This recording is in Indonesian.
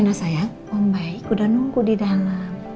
reina sayang mbaik udah nunggu di dalam